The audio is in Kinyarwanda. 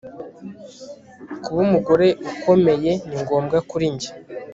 kuba umugore ukomeye ni ngombwa kuri njye